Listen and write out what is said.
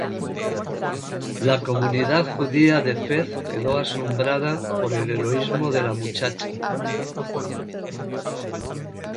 La comunidad judía de Fez quedó asombrada por el heroísmo de la muchacha.